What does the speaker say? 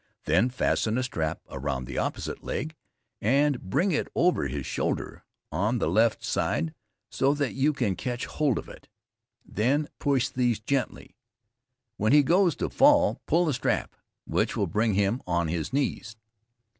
Then fasten a strap around the opposite leg, and bring it over his shoulder, on the left side, so that you can catch hold of it; then push these gently, and when he goes to fall, pull the strap, which will bring him on his knees.